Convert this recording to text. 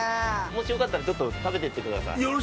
もしよかったらちょっと食べていってください。